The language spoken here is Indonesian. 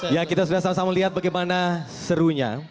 ya kita sudah sama sama lihat bagaimana serunya